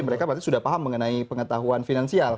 mereka berarti sudah paham mengenai pengetahuan finansial